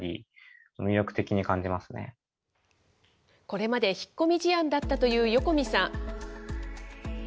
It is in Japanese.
これまで引っ込み思案だったという横見さん。